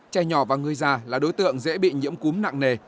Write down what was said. trẻ nhỏ và người già là đối tượng dễ bị nhiễm cúm nặng nề